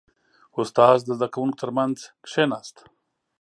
• استاد د زده کوونکو ترمنځ کښېناست.